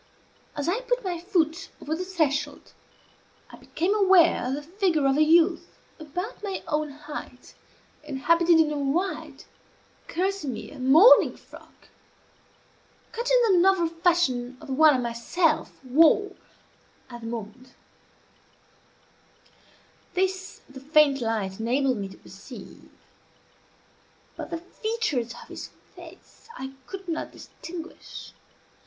As I put my foot over the threshold, I became aware of the figure of a youth about my own height, and habited in a white kerseymere morning frock, cut in the novel fashion of the one I myself wore at the moment. This the faint light enabled me to perceive; but the features of his face I could not distinguish.